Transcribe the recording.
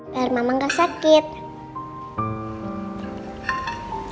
biar mama gak sakit